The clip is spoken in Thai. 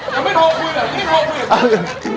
ยังไม่โทรคุยเหรอไม่ได้โทรคุยเหรอ